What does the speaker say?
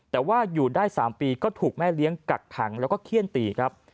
แต่ว่าอยู่ได้๓ปีก็ถูกแม่เลี้ยงกักขังแล้วก็เขี้ยนตีครับ